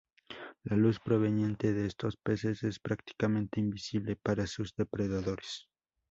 La luz proveniente de estos peces es prácticamente invisible para sus depredadores.